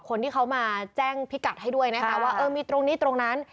คนที่เขามาแจ้งพิกัดให้ด้วยนะคะว่าเออมีตรงนี้ตรงนั้น